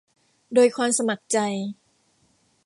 โดยความสมัครใจ